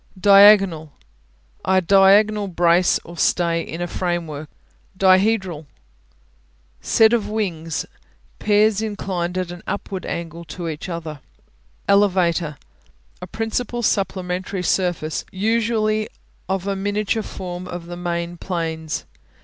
Diagonal A diagonal brace or stay in a framework. Dihedral (di he'dral) Said of wing pairs inclined at an upward angle to each other. Elevator A principal supplementary surface, usually of a miniature form of the main planes.